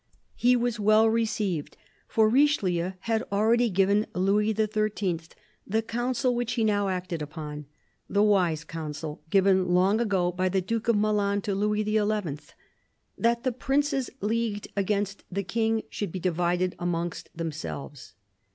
He was well received, for Richelieu had already given Louis XHL the counsel which he now acted upon — the wise counsel given long ago by the Duke of Milan to Louis XL — that the princes leagued against the King should be divided amongst themselves.